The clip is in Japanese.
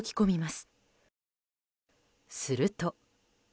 すると。